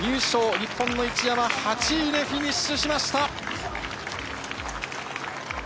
日本の一山、８位でフィニッシュしました。